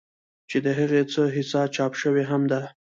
چې د هغې څۀ حصه چاپ شوې هم ده